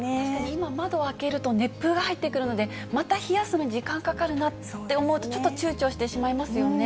今、窓を開けると熱風が入ってくるので、また冷やすのに時間かかるなと思うと、ちょっとちゅうちょしてしまいますよね。